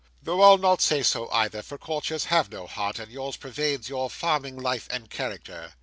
Though I'll not say so, either; for courtiers have no heart, and yours pervades your farming life and character.